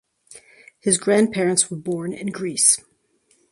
His grandparents were born in Greece.